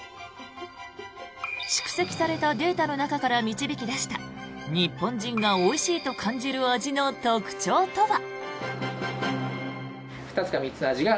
蓄積されたデータの中から導き出した日本人がおいしいと感じる味の特徴とは。